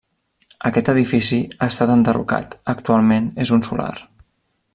Aquest edifici ha estat enderrocat, actualment és un solar.